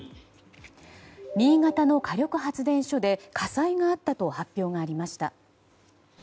新潟の火力発電所で火災があったと発表がありました。